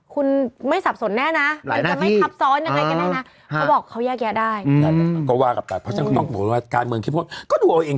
คุณไม่สับสนแน่นะไม่กันไม่ครับซ้อนอย่างไรก็ได้นะ